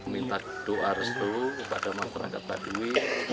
minta doa restu kepada masyarakat baduy